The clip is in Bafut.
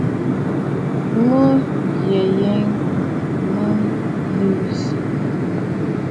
Mə̀ yə̀gə̀ mə̂ yi nzi.